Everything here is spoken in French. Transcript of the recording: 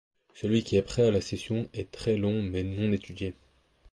Celui qui est prêt à la session est très long mais non étudié.